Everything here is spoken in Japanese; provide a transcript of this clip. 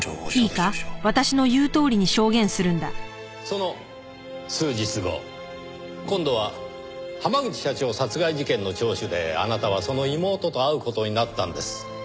その数日後今度は濱口社長殺害事件の聴取であなたはその妹と会う事になったんです。